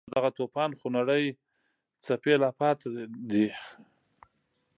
د دغه توپان خونړۍ څپې لا پاتې دي.